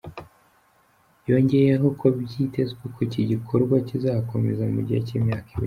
Yongeyho ko byitezwe ko iki gikorwa kizakomeza mu gihe cy'imyaka ibiri.